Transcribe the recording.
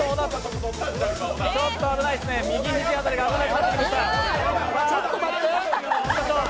ちょっと危ないですね、右肘辺り危なくなってきました。